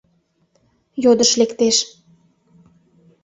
- йодыш лектеш.